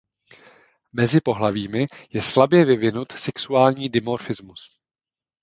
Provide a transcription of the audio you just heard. Mezi pohlavími je slabě vyvinut sexuální dimorfismus.